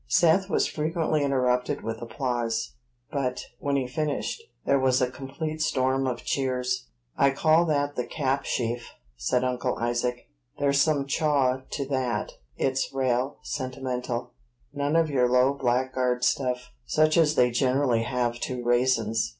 Seth was frequently interrupted with applause; but, when he finished, there was a complete storm of cheers. "I call that the cap sheaf," said Uncle Isaac; "there's some chaw to that; it's raal sentimental; none of your low blackguard stuff, such as they generally have to raisin's.